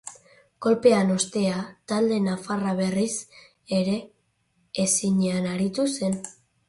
Kolpearen ostean, talde nafarra berriz ere ezinean aritu zen.